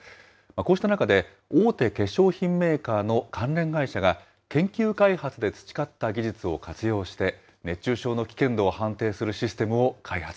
こうした中で、大手化粧品メーカーの関連会社が、研究開発で培った技術を活用して、熱中症の危険度を判定するシステムを開発。